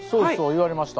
言われました。